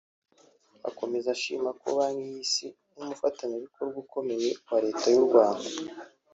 Akomeza ashima ko Banki y’Isi nk’umufatanyabikorwa ukomeye wa Leta y’u Rwanda